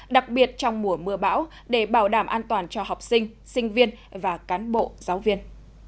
đặc biệt trong mùa mưa bão để bảo đảm an toàn cho học sinh sinh viên và cán bộ giáo viên